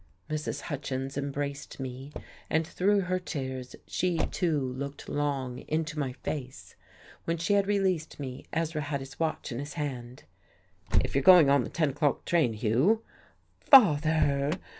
Mrs. Hutchins embraced me. And through her tears she, too, looked long into my face. When she had released me Ezra had his watch in his hand. "If you're going on the ten o'clock train, Hugh " "Father!"